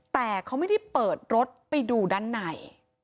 แต่เขาไม่ได้เปิดรถไปดูด้านใน